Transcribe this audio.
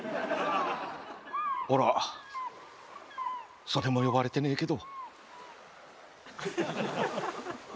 おらそれも呼ばれてねえけど。